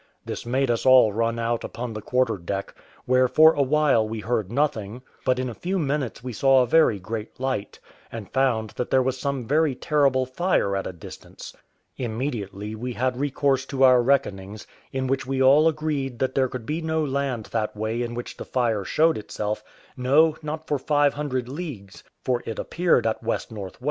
This made us all run out upon the quarter deck, where for a while we heard nothing; but in a few minutes we saw a very great light, and found that there was some very terrible fire at a distance; immediately we had recourse to our reckonings, in which we all agreed that there could be no land that way in which the fire showed itself, no, not for five hundred leagues, for it appeared at WNW.